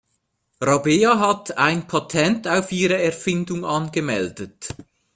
Rabea hat ein Patent auf ihre Erfindung angemeldet.